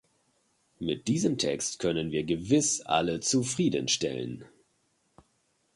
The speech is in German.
Mit diesem Text können wir gewiss alle zufrieden stellen.